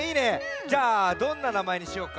じゃあどんななまえにしようか。